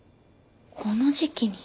この時期に？